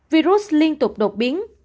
virus liên tục đột biến